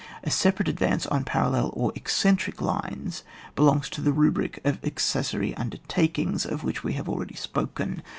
A separate advance on parallel or eccentric lines be longs to the rubric of accessory undertake ingSj of which we have already spoken.